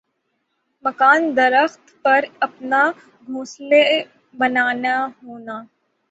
مکان درخت پر اپنا گھونسلے بننا ہونا